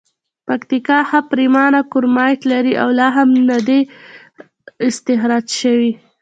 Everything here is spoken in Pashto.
پکتیکا ښه پریمانه کرومایټ لري او لا هم ندي را اختسراج شوي.